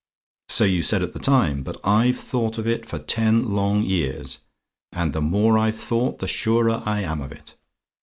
"So you said at the time, but I've thought of it for ten long years, and the more I've thought the surer I am of it.